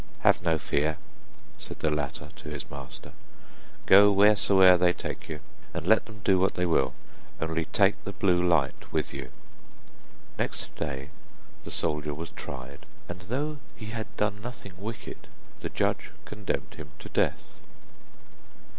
'Have no fear,' said the latter to his master. 'Go wheresoever they take you, and let them do what they will, only take the blue light with you.' Next day the soldier was tried, and though he had done nothing wicked, the judge condemned him to death.